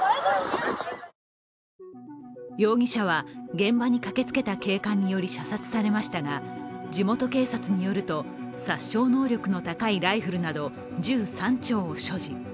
容疑者は現場に駆けつけた警官により射殺されましたが地元警察によると、殺傷能力の高いライフルなど銃３丁を所持。